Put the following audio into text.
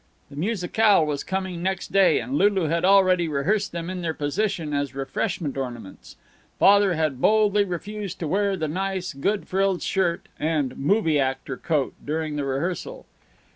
The musicale was coming next day, and Lulu had already rehearsed them in their position as refreshment ornaments. Father had boldly refused to wear the nice, good frilled shirt and "movie actor coat" during the rehearsal.